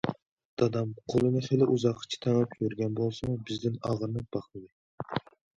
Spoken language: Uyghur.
دادام قولىنى خېلى ئۇزاققىچە تېڭىپ يۈرگەن بولسىمۇ، بىزدىن ئاغرىنىپ باقمىدى.